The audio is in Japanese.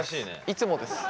いつもです。